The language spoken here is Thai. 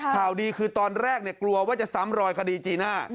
ข่าวดีคือตอนแรกกลัวว่าจะซ้ำรอยคดีจีน่า